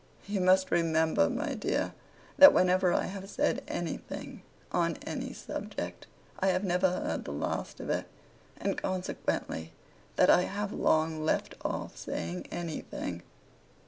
'You must remember, my dear, that whenever I have said anything, on any subject, I have never heard the last of it: and consequently, that I have long left off saying anything.